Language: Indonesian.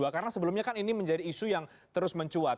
karena sebelumnya kan ini menjadi isu yang terus mencuat